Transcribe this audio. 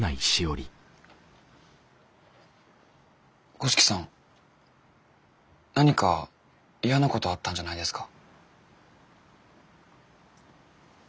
五色さん何か嫌なことあったんじゃないですか？